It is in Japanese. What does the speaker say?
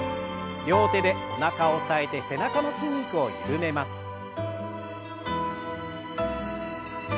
両手でおなかを押さえて背中の筋肉を緩めます。